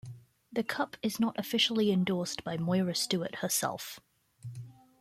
The cup is not officially endorsed by Moira Stuart herself.